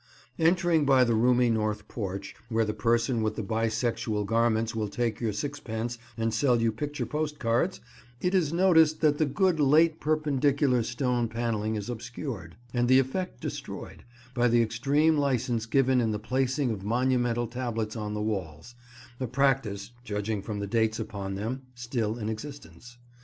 Entering by the roomy north porch, where the person with the bisexual garments will take your sixpence and sell you picture postcards, it is noticed that the good Late Perpendicular stone panelling is obscured, and the effect destroyed, by the extreme licence given in the placing of monumental tablets on the walls; a practice, judging from the dates upon them, still in existence.